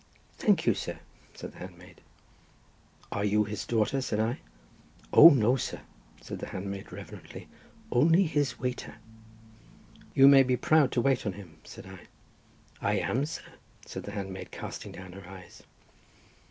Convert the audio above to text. "Thank you, sir," said the handmaid. "Are you his daughter?" said I. "O no, sir," said the handmaid reverently; "only his waiter." "You may be proud to wait on him," said I. "I am, sir," said the handmaid, casting down her eyes.